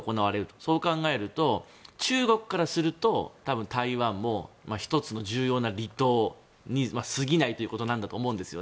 そう考えると、中国からすると台湾も１つの重要な離島に過ぎないということなんです。